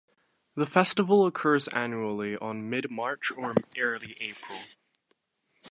The festival occurs annually on mid March or early April.